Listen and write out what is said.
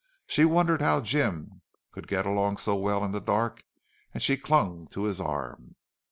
She wondered how Jim could get along so well in the dark and she clung to his arm.